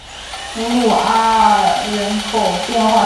弗鲁阿尔人口变化图示